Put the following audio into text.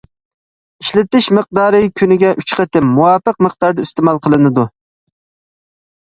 ئىشلىتىش مىقدارى: كۈنىگە ئۈچ قېتىم، مۇۋاپىق مىقداردا ئىستېمال قىلىنىدۇ.